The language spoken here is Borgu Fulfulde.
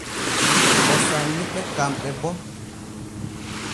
O sanni ɓe kanɓe bo.